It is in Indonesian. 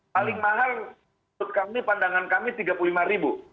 paling mahal menurut kami pandangan kami rp tiga puluh lima ribu